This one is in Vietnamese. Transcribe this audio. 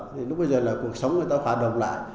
thì lúc bây giờ là cuộc sống người ta phả đồng lại